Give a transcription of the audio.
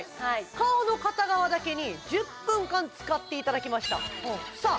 顔の片側だけに１０分間使っていただきましたさあ